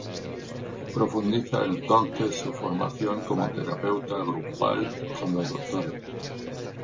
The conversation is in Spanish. Profundiza, entonces, su formación como terapeuta grupal con los Dres.